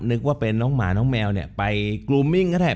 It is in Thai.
นึกว่าเป็นน้องหมาน้องแมวเนี่ยไปกลูมมิ่งก็ได้